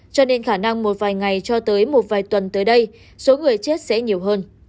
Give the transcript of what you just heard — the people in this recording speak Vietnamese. có khả năng một vài ngày cho tới một vài tuần tới đây số người chết sẽ nhiều hơn